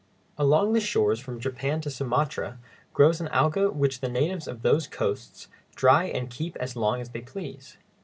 Along the shores from Japan to Sumatra grows an alga which the natives of those coasts dry and keep as long as they please.